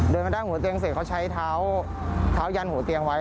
เดินมาด้านหัวเตียงเสร็จเขาใช้เท้ายันหัวเตียงไว้